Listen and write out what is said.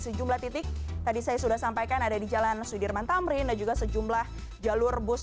sejumlah titik tadi saya sudah sampaikan ada di jalan sudirman tamrin dan juga sejumlah jalur bus